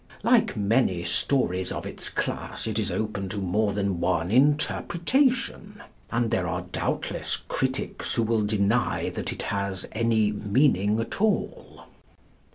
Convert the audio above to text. Like many stories of its class, it is open to more than one interpretation; and there are, doubtless, critics who will deny that it has any meaning at all.